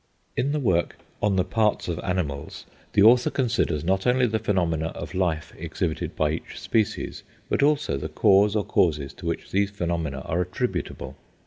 In the work "On the Parts of Animals," the author considers not only the phenomena of life exhibited by each species, but also the cause or causes to which these phenomena are attributable.